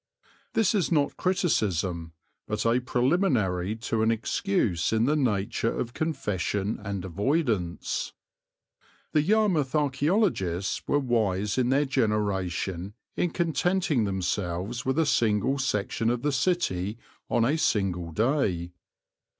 This is not criticism, but a preliminary to an excuse in the nature of confession and avoidance. The Yarmouth archæologists were wise in their generation in contenting themselves with a single section of the city on a single day.